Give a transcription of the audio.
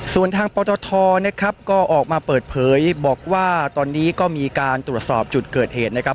ส่วนทางปตทนะครับก็ออกมาเปิดเผยบอกว่าตอนนี้ก็มีการตรวจสอบจุดเกิดเหตุนะครับ